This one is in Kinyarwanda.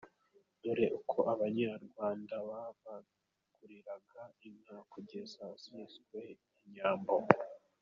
Dore uko Abanyarwanda babanguriraga inka kugeza ziswe inyambo.